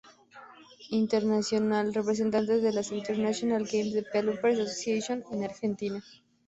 Internacional: Representantes de la International Game Developers Association en Argentina.